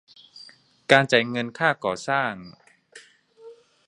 การจ่ายเงินค่าก่อสร้าง